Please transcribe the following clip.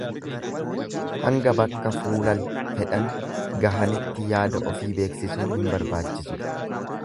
Hanga bakka fuulal fedhan gahanitti yaada ofii beeksisuun hin barbaachisu.